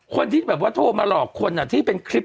คนที่แบบว่าโทรมาหลอกคนที่เป็นคลิป